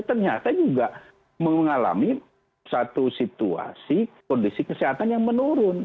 ternyata juga mengalami satu situasi kondisi kesehatan yang menurun